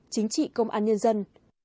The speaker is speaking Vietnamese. chính trị công an nhân dân